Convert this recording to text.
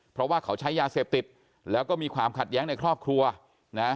เพราะว่าเขาใช้ยาเสพติดแล้วก็มีความขัดแย้งในครอบครัวนะ